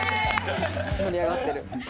盛り上がってる。